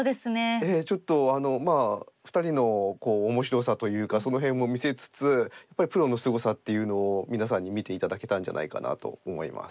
ええちょっと２人の面白さというかその辺も見せつつやっぱりプロのすごさっていうのを皆さんに見て頂けたんじゃないかなと思います。